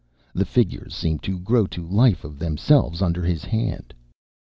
The figures seemed to grow to life of themselves under his hand.